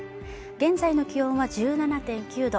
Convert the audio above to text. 現在の気温は１７．９度